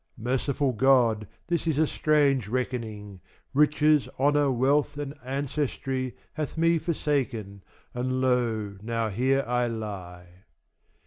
Merciful God, this is a strange reckoning; Riches, honour, wealth, and ancestry, Hath me forsaken, and lo now here I lie.